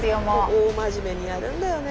大真面目にやるんだよね。